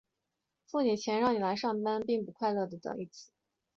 付你钱让你来上班并不快乐的等义词。